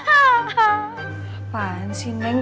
apaan sih neng